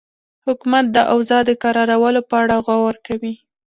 حکومت د اوضاع د کرارولو په اړه غور کوي.